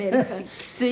きつい？